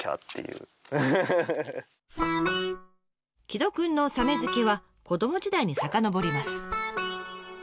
城戸くんのサメ好きは子ども時代に遡ります。